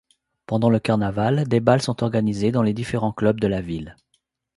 Pendant le carnaval, des bals sont organisés dans les différents clubs de la ville.